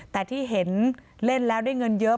แต่ที่เห็นเล่นแล้วได้เงินเยอะ